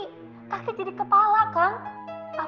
kaki jadi kepala kang